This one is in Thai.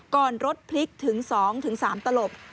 รถพลิกถึง๒๓ตลบ